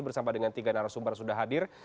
bersama dengan tiga narasumber sudah hadir